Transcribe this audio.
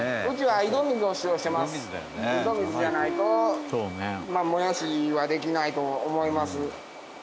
井戸水じゃないともやしはできないと思います。